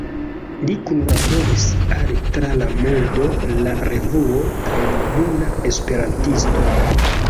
Li kunlaboris al „Tra La Mondo“, „La Revuo“ kaj „Juna Esperantisto“.